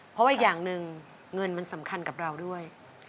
เพราะว่าอีกอย่างหนึ่งเงินมันสำคัญกับเราด้วย